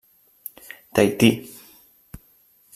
Tahití.